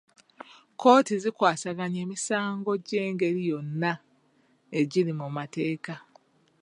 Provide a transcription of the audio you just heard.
Kkooti zikwasaganya emisango egy'engeri yonna egiri mu mateeka.